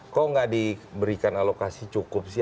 kok nggak diberikan alokasi cukup sih